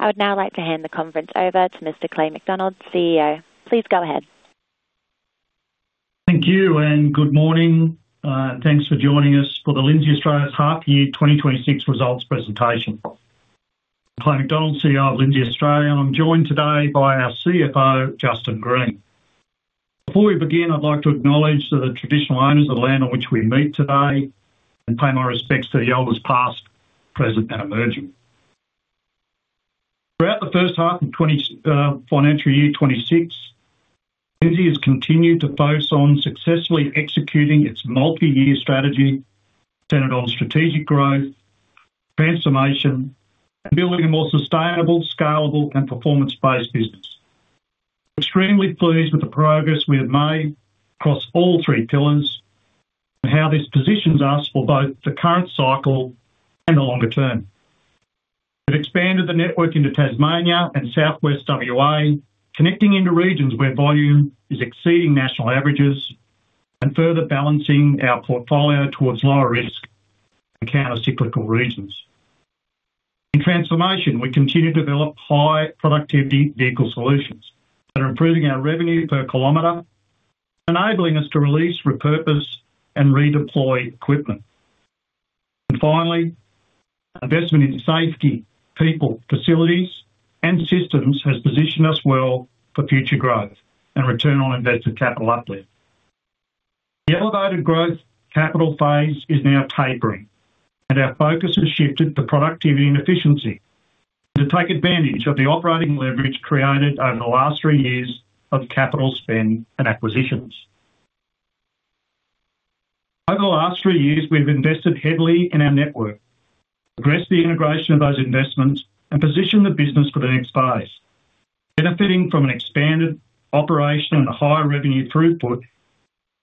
I would now like to hand the conference over to Mr. Clay McDonald, CEO. Please go ahead. Thank you, and good morning. Thanks for joining us for the Lindsay Australia's Half Year 2026 results presentation. Clay McDonald, CEO of Lindsay Australia, and I'm joined today by our CFO, Justin Green. Before we begin, I'd like to acknowledge the traditional owners of the land on which we meet today, and pay my respects to the elders, past, present, and emerging. Throughout the first half of financial year 2026, Lindsay has continued to focus on successfully executing its multi-year strategy centered on strategic growth, transformation, and building a more sustainable, scalable, and performance-based business. Extremely pleased with the progress we have made across all three pillars and how this positions us for both the current cycle and the longer term. We've expanded the network into Tasmania and southwest WA, connecting into regions where volume is exceeding national averages and further balancing our portfolio towards lower risk and counter cyclical regions. In transformation, we continue to develop high-productivity vehicle solutions that are improving our revenue per kilometer, enabling us to release, repurpose, and redeploy equipment. Finally, investment in safety, people, facilities, and systems has positioned us well for future growth and return on invested capital uplift. The elevated growth capital phase is now tapering, and our focus has shifted to productivity and efficiency to take advantage of the operating leverage created over the last three years of capital spend and acquisitions. Over the last three years, we've invested heavily in our network, progressed the integration of those investments, and positioned the business for the next phase. Benefiting from an expanded operation and a higher revenue throughput,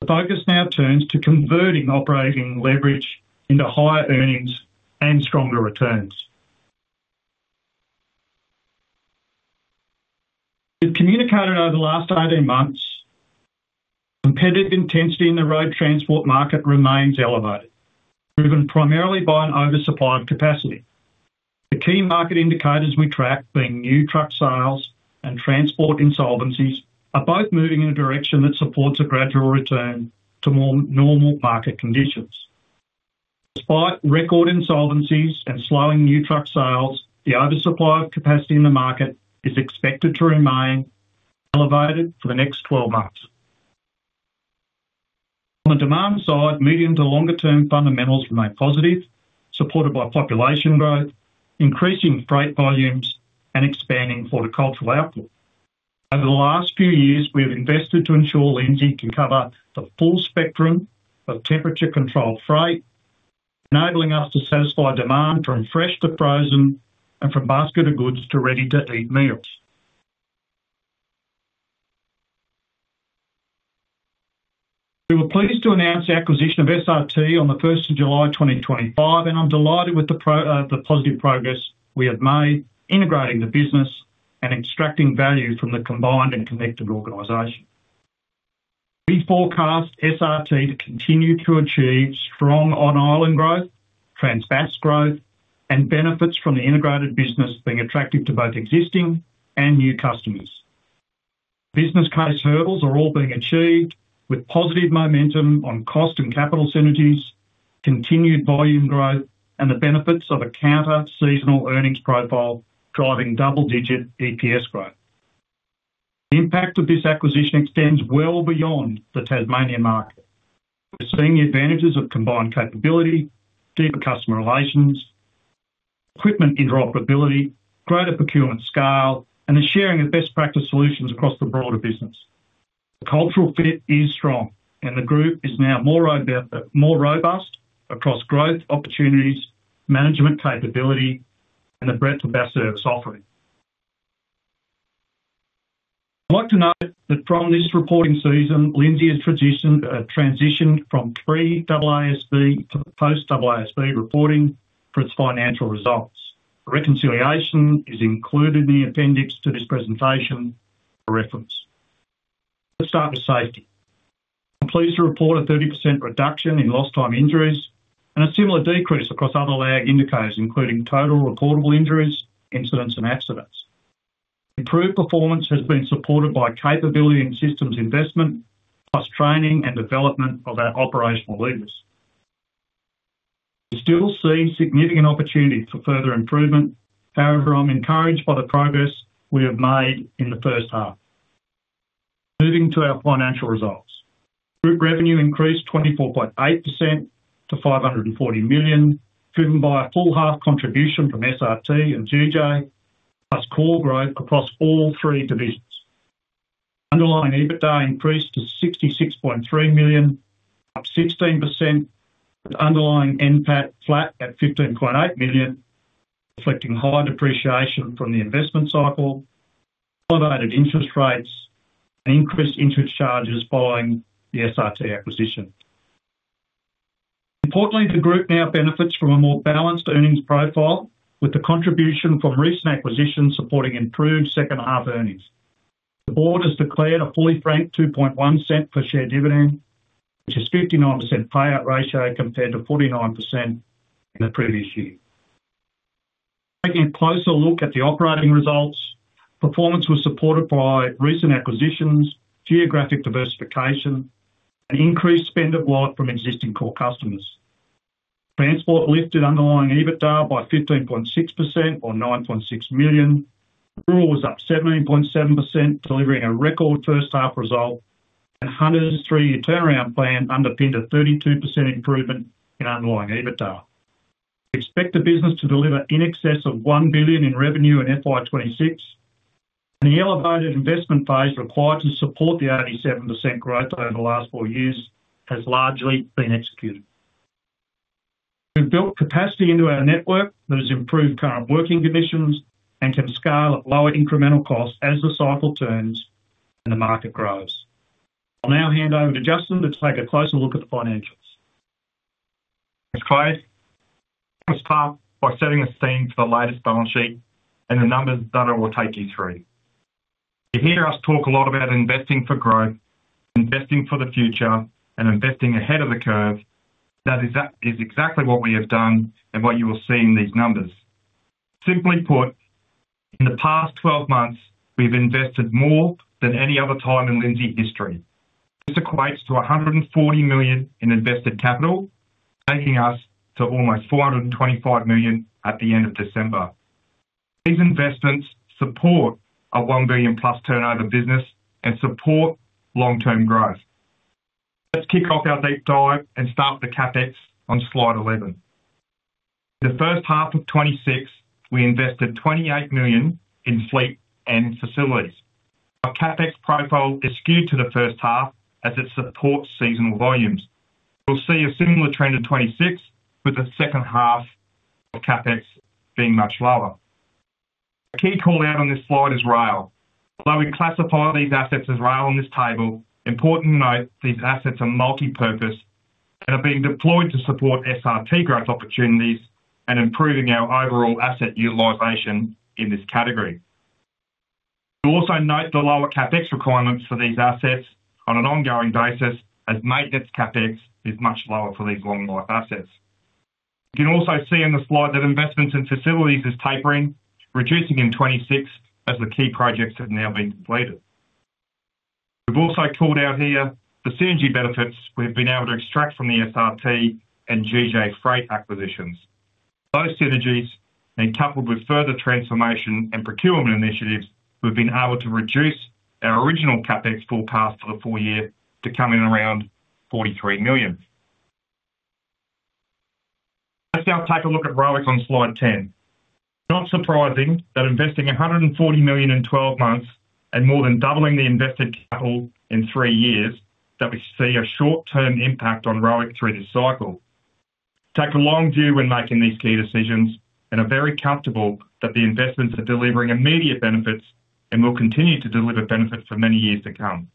the focus now turns to converting operating leverage into higher earnings and stronger returns. We've communicated over the last 18 months, competitive intensity in the road transport market remains elevated, driven primarily by an oversupply of capacity. The key market indicators we track, being new truck sales and transport insolvencies, are both moving in a direction that supports a gradual return to more normal market conditions. Despite record insolvencies and slowing new truck sales, the oversupply of capacity in the market is expected to remain elevated for the next 12 months. On the demand side, medium to longer term fundamentals remain positive, supported by population growth, increasing freight volumes, and expanding horticultural output. Over the last few years, we have invested to ensure Lindsay can cover the full spectrum of temperature-controlled freight, enabling us to satisfy demand from fresh to frozen and from basket of goods to ready-to-eat meals. We were pleased to announce the acquisition of SRT on the 1st of July, 2025, and I'm delighted with the positive progress we have made integrating the business and extracting value from the combined and connected organization. We forecast SRT to continue to achieve strong on island growth, trans-Bass growth, and benefits from the integrated business being attractive to both existing and new customers. Business case hurdles are all being achieved with positive momentum on cost and capital synergies, continued volume growth, and the benefits of a counter-seasonal earnings profile driving double-digit EPS growth. The impact of this acquisition extends well beyond the Tasmanian market. We're seeing the advantages of combined capability, deeper customer relations, equipment interoperability, greater procurement scale, and the sharing of best practice solutions across the broader business. The cultural fit is strong, and the group is now more robust across growth opportunities, management capability, and the breadth of our service offering. I'd like to note that from this reporting season, Lindsay has transitioned from pre-AASB to post-AASB reporting for its financial results. Reconciliation is included in the appendix to this presentation for reference. Let's start with safety. I'm pleased to report a 30% reduction in lost time injuries and a similar decrease across other lag indicators, including total reportable injuries, incidents, and accidents. Improved performance has been supported by capability and systems investment, plus training and development of our operational leaders. We still see significant opportunity for further improvement. However, I'm encouraged by the progress we have made in the first half. Moving to our financial results. Group revenue increased 24.8% to 540 million, driven by a full half contribution from SRT and GJ, plus core growth across all three divisions. Underlying EBITDA increased to 66.3 million, up 16%, with underlying NPAT flat at 15.8 million, reflecting high depreciation from the investment cycle, elevated interest rates, and increased interest charges following the SRT acquisition. Importantly, the group now benefits from a more balanced earnings profile, with the contribution from recent acquisitions supporting improved second half earnings.... The board has declared a fully franked 0.021 per share dividend, which is 59% payout ratio compared to 49% in the previous year. Taking a closer look at the operating results, performance was supported by recent acquisitions, geographic diversification, and increased spend at wide from existing core customers. Transport lifted underlying EBITDA by 15.6% or 9.6 million. Rural was up 17.7%, delivering a record first half result. Hunter's three-year turnaround plan underpinned a 32% improvement in underlying EBITDA. We expect the business to deliver in excess of 1 billion in revenue in FY 2026. The elevated investment phase required to support the 87% growth over the last four years has largely been executed. We've built capacity into our network that has improved current working conditions and can scale at lower incremental costs as the cycle turns and the market grows. I'll now hand over to Justin to take a closer look at the financials. Thanks, Clay. Let's start by setting the scene for the latest balance sheet and the numbers that I will take you through. You hear us talk a lot about investing for growth, investing for the future, and investing ahead of the curve. That is exactly what we have done and what you will see in these numbers. Simply put, in the past 12 months, we've invested more than any other time in Lindsay history. This equates to 140 million in invested capital, taking us to almost 425 million at the end of December. These investments support our 1 billion+ turnover business and support long-term growth. Let's kick off our deep dive and start with the CapEx on slide 11. The first half of 2026, we invested 28 million in fleet and facilities. Our CapEx profile is skewed to the first half as it supports seasonal volumes. We'll see a similar trend in 2026, with the second half of CapEx being much lower. A key callout on this slide is rail. Although we classify these assets as rail on this table, important to note, these assets are multipurpose and are being deployed to support SRT growth opportunities and improving our overall asset utilization in this category. You'll also note the lower CapEx requirements for these assets on an ongoing basis, as maintenance CapEx is much lower for these long-life assets. You can also see on the slide that investments in facilities is tapering, reducing in 2026 as the key projects have now been completed. We've also called out here the synergy benefits we've been able to extract from the SRT and GJ Freight acquisitions. Those synergies, when coupled with further transformation and procurement initiatives, we've been able to reduce our original CapEx forecast for the full year to come in around $43 million. Let's now take a look at ROIC on slide 10. Not surprising that investing $140 million in 12 months and more than doubling the invested capital in 3 years, that we see a short-term impact on ROIC through this cycle. Take the long view when making these key decisions and are very comfortable that the investments are delivering immediate benefits and will continue to deliver benefits for many years to come.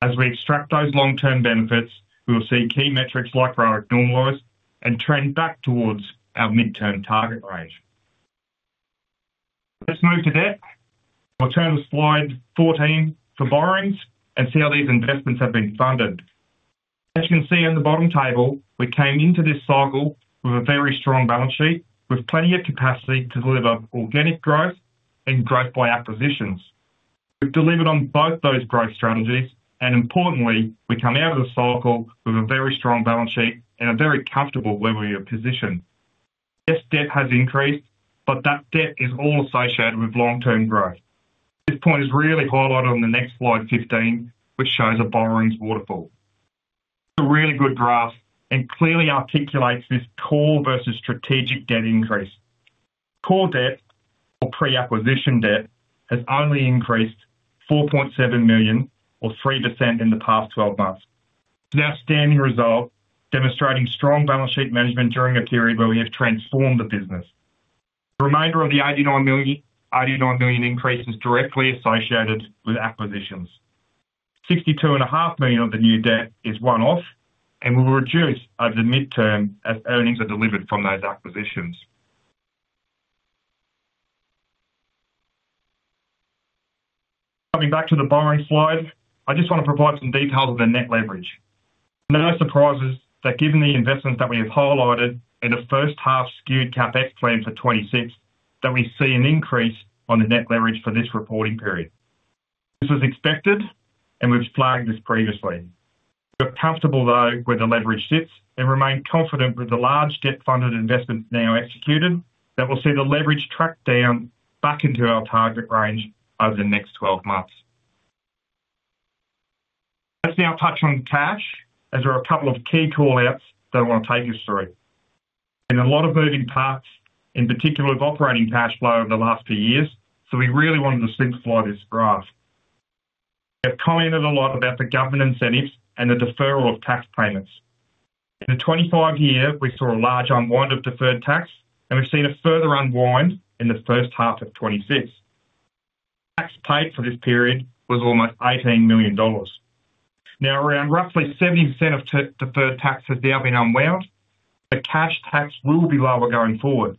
As we extract those long-term benefits, we will see key metrics like ROIC normalize and trend back towards our midterm target range. Let's move to debt. We'll turn to slide 14 for borrowings and see how these investments have been funded. As you can see in the bottom table, we came into this cycle with a very strong balance sheet, with plenty of capacity to deliver organic growth and growth by acquisitions. We've delivered on both those growth strategies, and importantly, we come out of the cycle with a very strong balance sheet and a very comfortable level of position. Yes, debt has increased, but that debt is all associated with long-term growth. This point is really highlighted on the next slide, 15, which shows a borrowings waterfall. It's a really good graph and clearly articulates this core versus strategic debt increase. Core debt or pre-acquisition debt, has only increased 4.7 million or 3% in the past 12 months. It's an outstanding result, demonstrating strong balance sheet management during a period where we have transformed the business. The remainder of the 89 million, 89 million increase is directly associated with acquisitions. 62.5 million of the new debt is one-off and will reduce over the midterm as earnings are delivered from those acquisitions. Coming back to the borrowing slide, I just want to provide some details of the net leverage. No surprises that given the investments that we have highlighted in the first half skewed CapEx plan for FY 2026, that we see an increase on the net leverage for this reporting period. This was expected, and we've flagged this previously. We're comfortable, though, where the leverage sits and remain confident with the large debt-funded investments now executed, that will see the leverage track down back into our target range over the next 12 months. Let's now touch on cash, as there are a couple of key call-outs that I want to take you through. In a lot of moving parts, in particular of operating cash flow over the last few years, so we really wanted to simplify this graph. We've commented a lot about the government incentives and the deferral of tax payments. In the 2025 year, we saw a large unwind of deferred tax, and we've seen a further unwind in the first half of 2026. Tax paid for this period was almost 18 million dollars. Around roughly 70% of de-deferred tax has now been unwound. The cash tax will be lower going forward.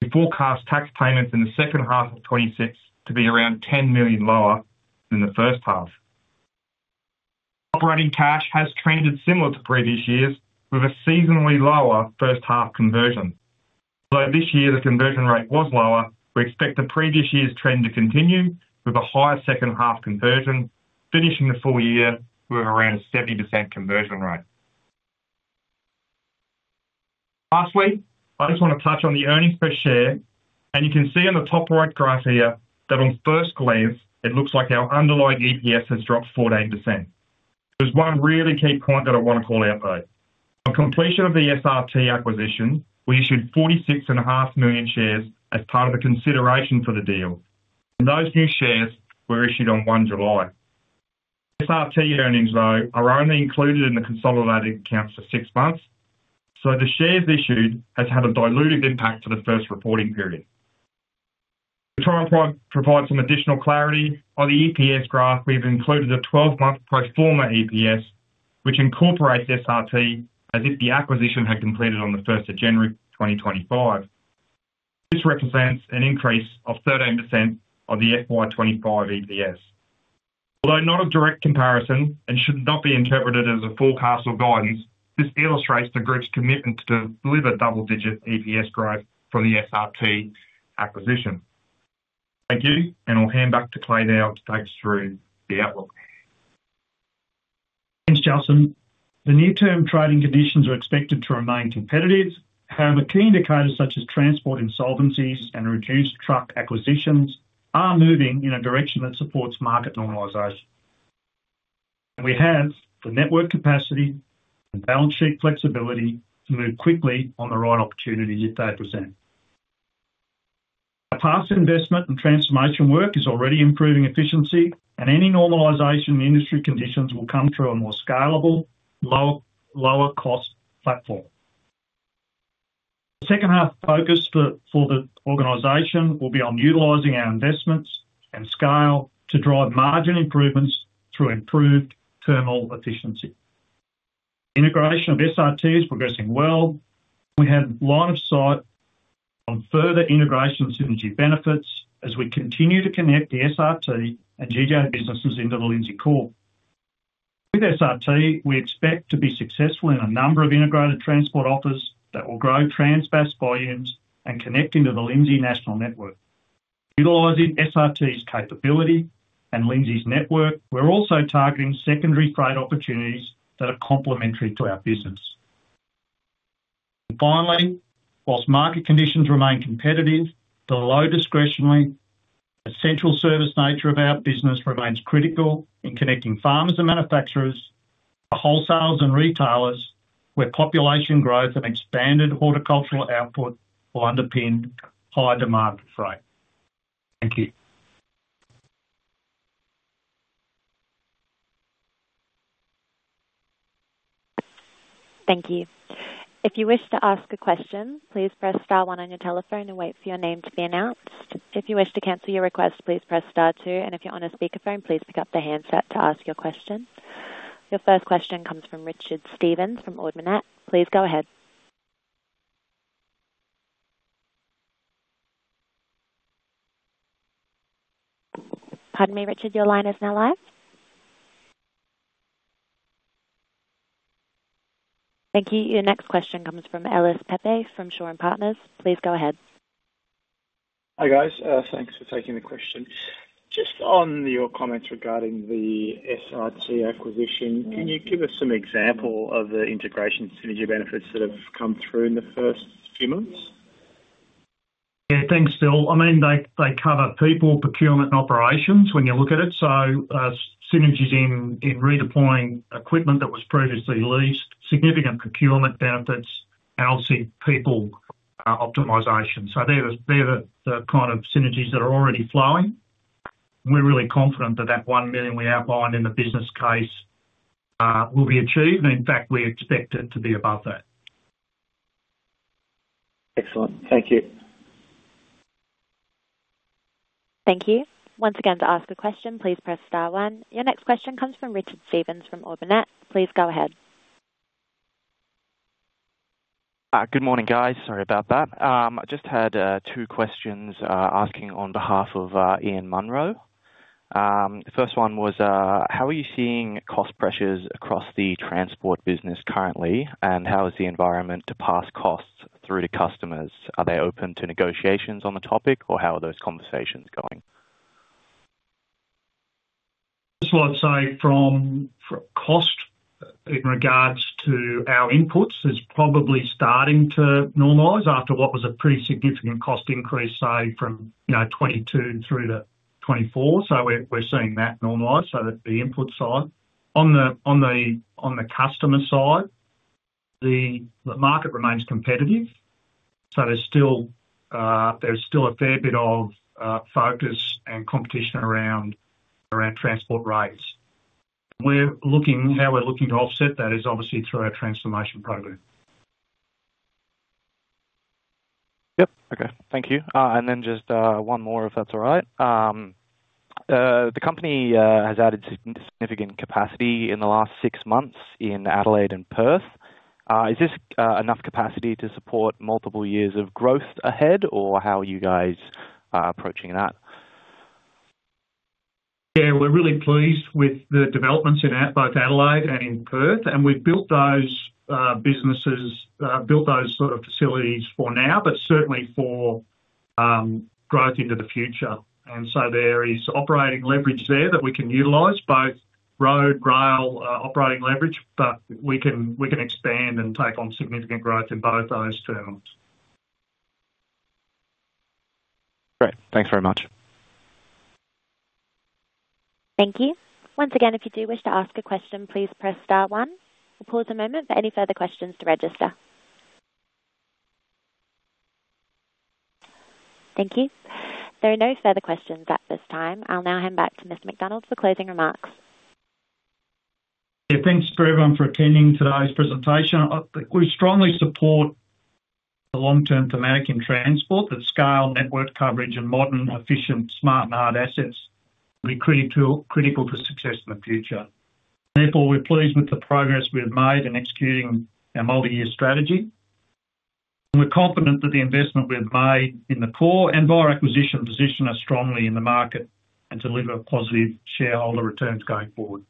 We forecast tax payments in the second half of 2026 to be around 10 million lower than the first half. Operating cash has trended similar to previous years, with a seasonally lower first half conversion. This year, the conversion rate was lower. We expect the previous year's trend to continue with a higher second half conversion, finishing the full year with around a 70% conversion rate. Lastly, I just want to touch on the earnings per share, and you can see on the top right graph here that on first glance it looks like our underlying EPS has dropped 14%. There's one really key point that I want to call out, though. On completion of the SRT acquisition, we issued 46.5 million shares as part of the consideration for the deal. Those new shares were issued on 1 July. SRT earnings, though, are only included in the consolidated accounts for 6 months. The shares issued has had a dilutive impact for the first reporting period. To try and provide some additional clarity on the EPS graph, we've included a 12-month pro forma EPS, which incorporates SRT as if the acquisition had completed on the 1st of January 2025. This represents an increase of 13% of the FY 2025 EPS. Although not a direct comparison and should not be interpreted as a forecast or guidance, this illustrates the Group's commitment to deliver double-digit EPS growth from the SRT acquisition. Thank you. I'll hand back to Clay now to take us through the outlook. Thanks, Justin. The near-term trading conditions are expected to remain competitive. However, key indicators such as transport insolvencies and reduced truck acquisitions are moving in a direction that supports market normalization. We have the network capacity and balance sheet flexibility to move quickly on the right opportunity if they present. Our past investment and transformation work is already improving efficiency, and any normalization in industry conditions will come through a more scalable, lower cost platform. The second half focus for the organization will be on utilizing our investments and scale to drive margin improvements through improved terminal efficiency. Integration of SRT is progressing well. We have line of sight on further integration of synergy benefits as we continue to connect the SRT and GJ businesses into the Lindsay core. With SRT, we expect to be successful in a number of integrated transport offers that will grow trans-Bass volumes and connect into the Lindsay national network. Utilizing SRT's capability and Lindsay's network, we're also targeting secondary freight opportunities that are complementary to our business. Finally, whilst market conditions remain competitive, the low discretionary, essential service nature of our business remains critical in connecting farmers and manufacturers, the wholesalers and retailers, where population growth and expanded horticultural output will underpin high demand for freight. Thank you. Thank you. If you wish to ask a question, please press star one on your telephone and wait for your name to be announced. If you wish to cancel your request, please press star two, and if you're on a speakerphone, please pick up the handset to ask your question. Your first question comes from Richard Stevens from Ord Minnett. Please go ahead. Pardon me, Richard, your line is now live. Thank you. Your next question comes from Philip Pepe from Shaw and Partners. Please go ahead. Hi, guys. Thanks for taking the question. Just on your comments regarding the SRT acquisition, can you give us some example of the integration synergy benefits that have come through in the first few months? Yeah, thanks, Phil. I mean, they, they cover people, procurement, and operations when you look at it. Synergies in, in redeploying equipment that was previously leased, significant procurement benefits, and obviously people optimization. They're the, they're the, the kind of synergies that are already flowing. We're really confident that that 1 million we outlined in the business case will be achieved, and in fact, we expect it to be above that. Excellent. Thank you. Thank you. Once again, to ask a question, please press star one. Your next question comes from Richard Stevens, from Ord Minnett. Please go ahead. Good morning, guys. Sorry about that. I just had two questions, asking on behalf of Ian Munro. The first one was, how are you seeing cost pressures across the Transport business currently, and how is the environment to pass costs through to customers? Are they open to negotiations on the topic or how are those conversations going? I'd say from, from cost in regards to our inputs is probably starting to normalize after what was a pretty significant cost increase, say, from, you know, 2022 through to 2024. We're, we're seeing that normalize, so the input side. On the customer side, the market remains competitive, so there's still a fair bit of focus and competition around, around transport rates. How we're looking to offset that is obviously through our transformation program. Yep. Okay. Thank you. Just one more, if that's all right. The company has added significant capacity in the last 6 months in Adelaide and Perth. Is this enough capacity to support multiple years of growth ahead, or how are you guys approaching that? Yeah, we're really pleased with the developments in both Adelaide and in Perth, and we've built those businesses, built those sort of facilities for now, but certainly for growth into the future. So there is operating leverage there that we can utilize, both road, rail, operating leverage, but we can, we can expand and take on significant growth in both those terminals. Great. Thanks very much. Thank you. Once again, if you do wish to ask a question, please press star one. We'll pause a moment for any further questions to register. Thank you. There are no further questions at this time. I'll now hand back to Mr. McDonald for closing remarks. Thanks for everyone for attending today's presentation. We strongly support the long-term thematic in transport, the scale, network coverage, and modern, efficient, smart, and hard assets will be critical, critical to success in the future. Therefore, we're pleased with the progress we've made in executing our multi-year strategy, and we're confident that the investment we've made in the core and via acquisition, position us strongly in the market and deliver positive shareholder returns going forward. Thank you.